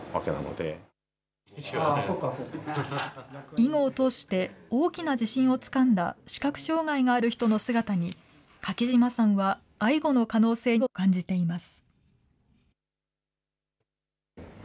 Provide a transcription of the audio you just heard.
囲碁を通して、大きな自信をつかんだ視覚障害がある人の姿に、柿島さんはアイゴの可能性を感じています。